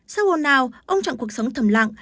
sau hồn nào ông chọn cuộc sống thầm lặng